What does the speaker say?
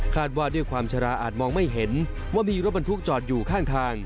ว่าด้วยความชะลาอาจมองไม่เห็นว่ามีรถบรรทุกจอดอยู่ข้างทาง